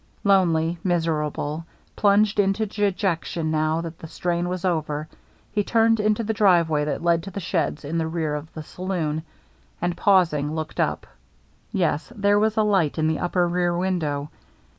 Lonely, miserable, plunged into dejec tion now that the strain was over, he turned into the driveway that led to the sheds in the rear of the saloon, and, pausing, looked up. Yes, there was a light in the upper rear win dow.